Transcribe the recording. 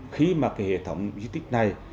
khi mà cái hệ thống di tích này